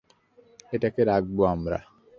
এটাকে রাখবো আমরা।